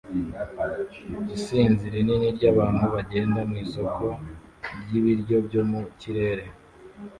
Isinzi rinini ryabantu bagenda mwisoko ryibiryo byo mu kirere